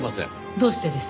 どうしてです？